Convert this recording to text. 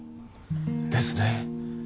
ですね。